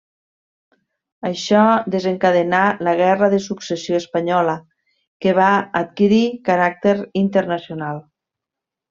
Això desencadenà la Guerra de Successió Espanyola, que va adquirir caràcter internacional.